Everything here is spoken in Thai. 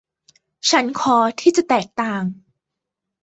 ฉันขอที่จะแตกต่าง